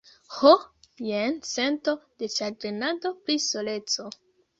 Ho, jen sento de ĉagrenado pri soleco.